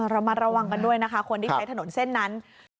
ระมัดระวังกันด้วยนะคะคนที่ใช้ถนนเส้นนั้น